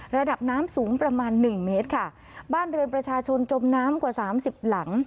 ระดับน้ำสูงประมาณหนึ่งเมตรค่ะบ้านเรือนประชาชนจมน้ำกว่าสามสิบหลัง